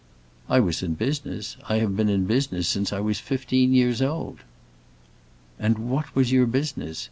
"I was in business. I have been in business since I was fifteen years old." "And what was your business?"